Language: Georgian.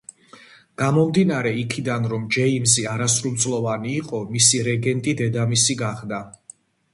გამომდინარე იქიდან, რომ ჯეიმზი არასრულწლოვანი იყო, მისი რეგენტი დედამისი გახდა.